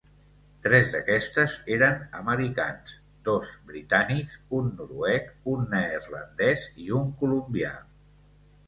Tres d'aquests eren americans, dos britànics, un noruec, un neerlandès, i un colombià.